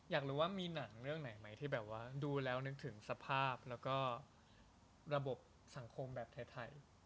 อยากรู้ว่ามีหนังเรื่องไหนไหมที่แบบว่าดูแล้วนึกถึงสภาพแล้วก็ระบบสังคมแบบไทย